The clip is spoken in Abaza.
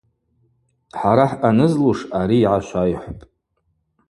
Хӏара хӏъанызлуш ари йгӏашвайхӏвпӏ.